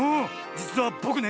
じつはぼくね